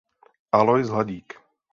Alois Hladík.